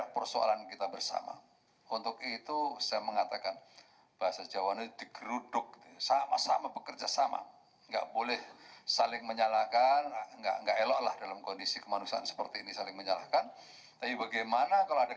pemirsa kepresidenan muldoko menjelaskan bahwa perusahaan ini tidak bergantung pada kekurangan orang lain